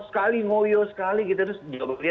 sekali ngoyo sekali gitu terus dia